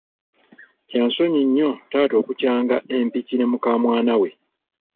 Kyansonyi nnyo taata okukyanga empiki ne mukamwana we.